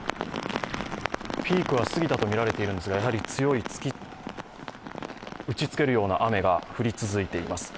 ピークは過ぎたとみられているんですが、強い打ちつけるような雨が降り続いています。